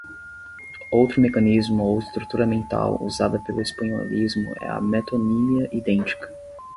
Outro mecanismo ou estrutura mental usada pelo espanholismo é a metonímia idêntica.